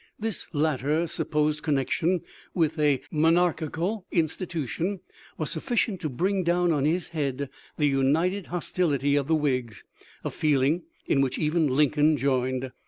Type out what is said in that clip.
This latter supposed connection with a monarchical institution was suffi cient to bring down on his head the united hostility of the Whigs, a feeling in which even Lincoln joined.